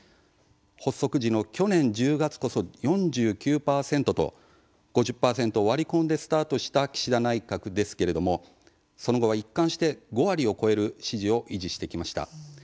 発足時の去年１０月こそ４９％と５０％を割り込んでスタートした岸田内閣ですけれどもその後は一貫して、５割を超える支持を維持してきました。